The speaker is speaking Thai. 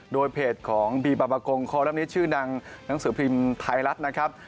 โดยเพจของบีปะปะโกงข้อลำนี้ชื่อนางหนังสือพิมพ์ไทยรัฐนะครับ